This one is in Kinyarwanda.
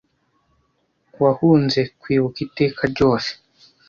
wahunze kwibuka iteka ryose